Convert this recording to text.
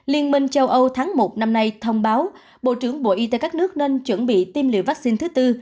liên minh châu âu tháng một năm nay thông báo bộ trưởng bộ y tế các nước nên chuẩn bị tiêm liều vaccine thứ tư